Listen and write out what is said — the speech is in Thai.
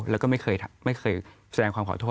แล้วก็ไม่เคยแสดงความขอโทษ